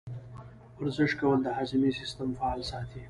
ورزش کول د هاضمې سیستم فعال ساتي.